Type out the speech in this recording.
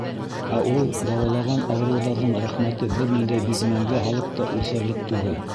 Ә ул дауалаған ауырыуҙарҙың рәхмәте бер ниндәй бизмәнгә һалып та үлсәрлек түгел.